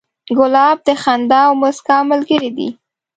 ګلاب د خندا او موسکا ملګری دی.